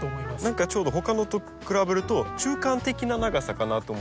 何かちょうどほかのと比べると中間的な長さかなと思って。